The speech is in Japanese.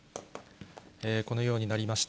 このようになりました。